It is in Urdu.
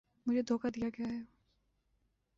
مجھے دھوکا دیا گیا ہے